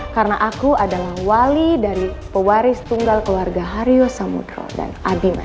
karena aku adalah wali dari pewaris tunggal keluarga hario samudro dan adi